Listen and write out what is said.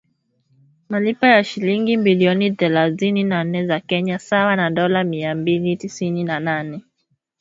malipo ya shilingi bilioni thelathini na nne za Kenya sawa na dola mia mbili tisini na nane